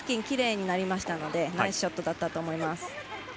きれいになりましたのでナイスショットだったと思います。